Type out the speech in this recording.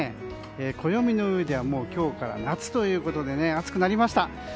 暦の上では今日から夏ということで暑くなりました。